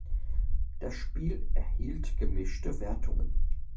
Das Spiel erhielt gemischte Wertungen.